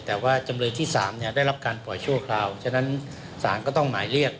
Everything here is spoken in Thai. แต่ว่าจำเลยที่๓ได้รับการปล่อยชั่วคราวฉะนั้นศาลก็ต้องหมายเรียก